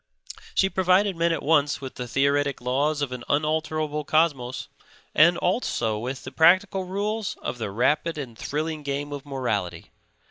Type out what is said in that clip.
She provided men at once with the theoretic laws of an unalterable cosmos and also with the practical rules of the rapid and thrilling game of morality.